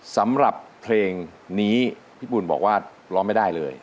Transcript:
สำหรับเพลงนี้พี่บุญบอกว่าร้องไม่ได้เลย